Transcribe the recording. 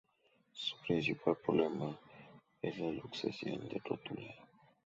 Su principal problema es la luxación de rótula.